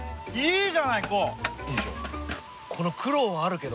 いいでしょ？